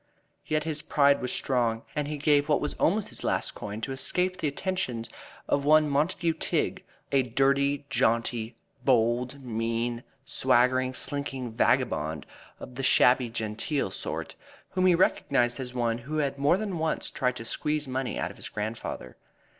Yet his pride was strong, and he gave what was almost his last coin to escape the attentions of one Montague Tigg, a dirty, jaunty, bold, mean, swaggering, slinking vagabond of the shabby genteel sort, whom he recognized as one who had more than once tried to squeeze money out of his grandfather.